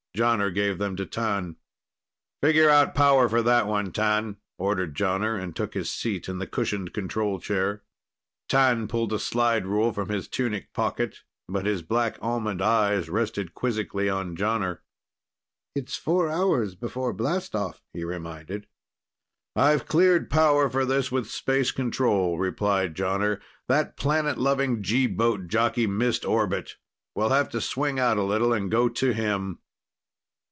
Jonner gave them to T'an. "Figure out power for that one, T'an," ordered Jonner, and took his seat in the cushioned control chair. T'an pulled a slide rule from his tunic pocket, but his black almond eyes rested quizzically on Jonner. "It's four hours before blastoff," he reminded. "I've cleared power for this with Space Control," replied Jonner. "That planet loving G boat jockey missed orbit. We'll have to swing out a little and go to him."